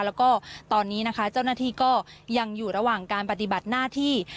แล้วก็ตอนนี้นะคะเจ้าหน้าที่ก็ยังอยู่ระหว่างการปฏิบัติหน้าที่